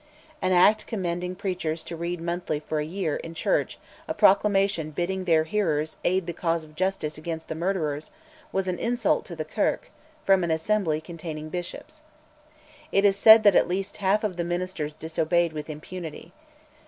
An Act commanding preachers to read monthly for a year, in church, a proclamation bidding their hearers aid the cause of justice against the murderers, was an insult to the Kirk, from an Assembly containing bishops. It is said that at least half of the ministers disobeyed with impunity.